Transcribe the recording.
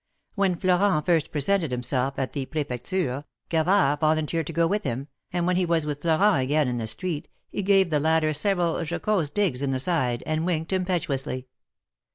When Florent first presented himself at the Prefecture, Gavard volunteered to go with him, and whfen he was with Florent again in the street, he gave the latter several jocose digs in the side, and winked impetuously.